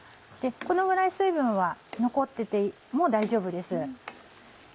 このぐらい水分は残ってても大丈夫です。